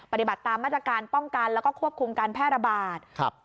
ปฏิบัติตามมาตรการป้องกันแล้วก็ควบคุมการแพร่ระบาดครับ